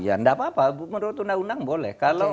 ya tidak apa apa menurut undang undang boleh